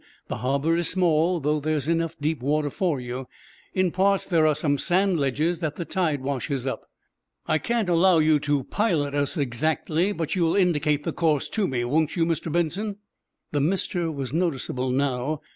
"The harbor is small, though there's enough deep water for you. In parts there are some sand ledges that the tide washes up." "I can't allow you to pilot us, exactly, but you'll indicate the course to me, won't you, Mr. Benson?" The "mister" was noticeable, now.